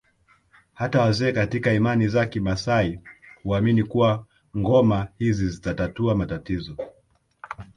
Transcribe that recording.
Hata wazee katika imani za kimaasai huamini kuwa ngoma hizi zitatatua matatizo